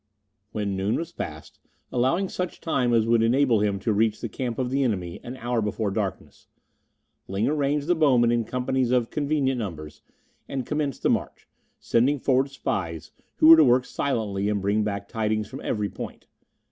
When noon was passed, allowing such time as would enable him to reach the camp of the enemy an hour before darkness, Ling arranged the bowmen in companies of convenient numbers, and commenced the march, sending forward spies, who were to work silently and bring back tidings from every point.